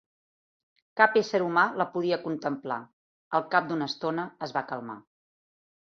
Cap ésser humà la podia contemplar. Al cap d'una estona es va calmar.